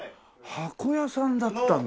箱屋さんだったんだ。